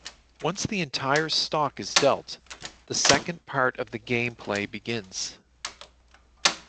Once the entire stock is dealt, the second part of game play begins.